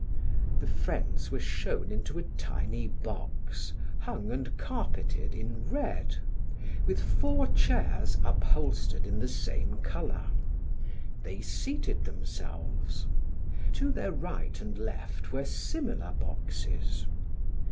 The friends were shown into a tiny box, hung and carpeted in red, with four chairs upholstered in the same color. They seated themselves. To their right and left were similar boxes.